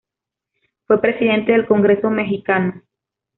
Fue Presidente del Congreso Mexicano.